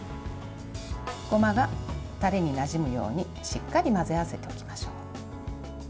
ごまがタレになじむようにしっかり混ぜ合わせておきましょう。